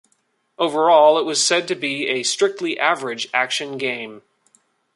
Overall it was said to be a strictly average action game.